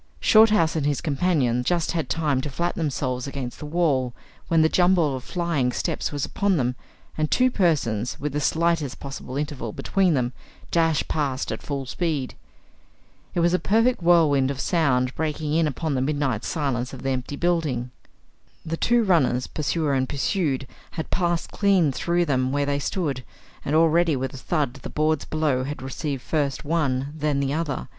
Shorthouse and his companion just had time to flatten themselves against the wall when the jumble of flying steps was upon them, and two persons, with the slightest possible interval between them, dashed past at full speed. It was a perfect whirlwind of sound breaking in upon the midnight silence of the empty building. The two runners, pursuer and pursued, had passed clean through them where they stood, and already with a thud the boards below had received first one, then the other.